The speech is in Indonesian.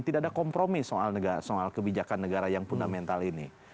tidak ada kompromi soal kebijakan negara yang fundamental ini